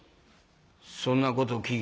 「そんなこと聞きたない。